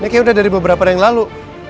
mas ini udah dari beberapa hari yang lalu